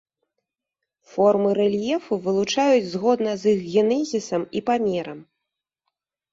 Формы рэльефу вылучаюць згодна з іх генезісам і памерам.